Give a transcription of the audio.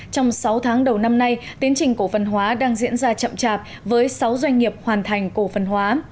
trong sáu tháng đầu năm nay tiến trình cổ phần hóa đang diễn ra chậm chạp với sáu doanh nghiệp hoàn thành cổ phần hóa